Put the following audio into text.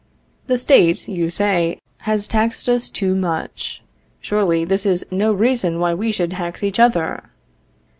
The State, you say, has taxed us too much; surely this is no reason why we should tax each other!